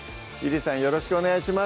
よろしくお願いします